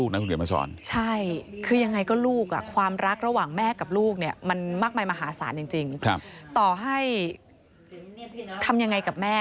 ถ้าโดยเขาไล่มาก็กลับมาพร้อมดูแล